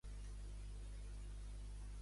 Kirsch et al.